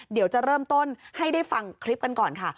เดี๋ยวจะเริ่มต้นให้ได้ฟังคลิปกันก่อนค่ะ